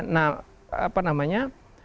nah apa namanya